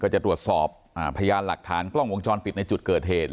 จะตรวจสอบพยานหลักฐานกล้องวงจรปิดในจุดเกิดเหตุ